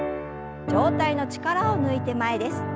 上体の力を抜いて前です。